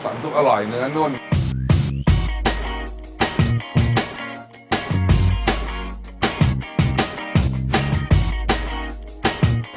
น้ำซุปอร่อยเนื้อนุ่ม